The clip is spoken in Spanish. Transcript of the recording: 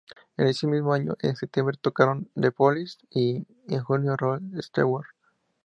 En ese mismo año, en septiembre, tocaron The Police y en junio Rod Stewart.